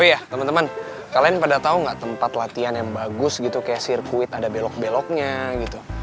iya teman teman kalian pada tau gak tempat latihan yang bagus gitu kayak sirkuit ada belok beloknya gitu